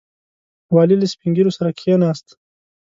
والي له سپین ږیرو سره کښېناست.